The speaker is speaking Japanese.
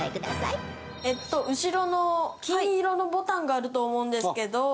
後ろの金色のボタンがあると思うんですけど。